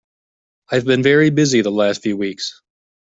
I've been very busy the last few weeks.